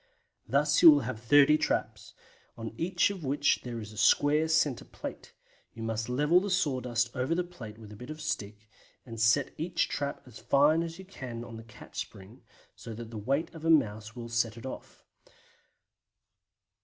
Thus you will have 30 traps, on each of which there is a square centre plate; you must level the sawdust over the plate with a bit of stick, and set each trap as fine as you can on the catch spring, so that the weight of a mouse would set it off.